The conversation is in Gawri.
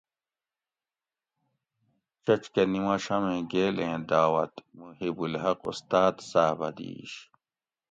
چچ کہ نِماشامیں گیل ایں دعوت محیب الحق اُستاۤد صاۤب اۤ دِیش